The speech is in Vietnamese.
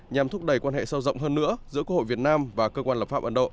nhằm thúc đẩy quan hệ sâu rộng hơn nữa giữa quốc hội việt nam và cơ quan lập pháp ấn độ